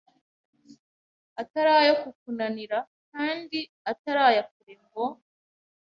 atari ayo kukunanira kandi atari aya kure ngo